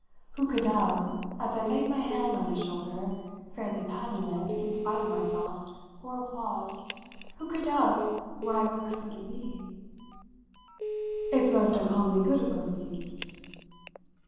Who could doubt, as I laid my hand on his shoulder, fairly patting it, in spite of myself, for applause who could doubt where I would presently be? "It's most uncommonly good of both of you."